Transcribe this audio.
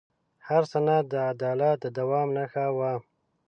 هر سند د عدالت د دوام نښه وه.